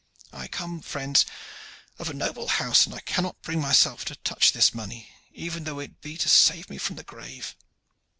I come, friends, of a noble house, and I cannot bring myself to touch this money, even though it be to save me from the grave."